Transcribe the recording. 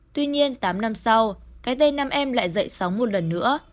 tuy nhiên tám năm sau cái tên nam em lại dậy sóng một lần nữa